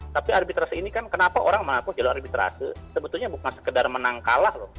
tapi arbitrasi ini kan kenapa orang mengaku jalur arbitrase sebetulnya bukan sekedar menang kalah loh